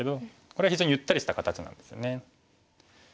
これ非常にゆったりした形なんですね。